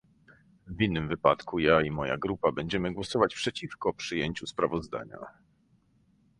W innym wypadku ja i moja grupa będziemy głosować przeciwko przyjęciu sprawozdania